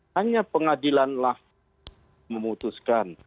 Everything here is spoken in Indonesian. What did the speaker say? hanya pengadilanlah memutuskan